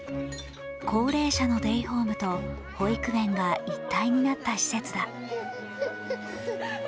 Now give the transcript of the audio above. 高齢者のデイホームと保育園が一体になった施設だ。